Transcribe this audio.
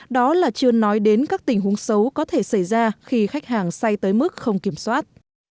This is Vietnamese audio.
đó là chưa nói đến các tình huống xấu có thể xảy ra khi khách hàng say tới mức không kiểm soát